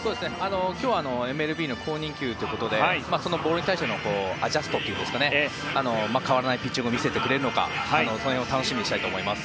今日はＭＬＢの公認球ということでボールに対するアジャストというか変わらないピッチングを見せてくれるのか楽しみにしたいと思います。